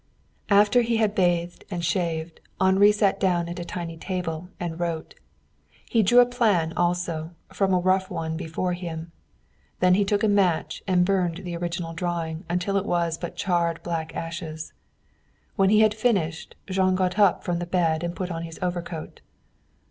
After he had bathed and shaved, Henri sat down at a tiny table and wrote. He drew a plan also, from a rough one before him. Then he took a match and burned the original drawing until it was but charred black ashes. When he had finished Jean got up from the bed and put on his overcoat.